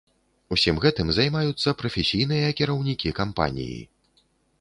Усім гэтым займаюцца прафесійныя кіраўнікі кампаніі.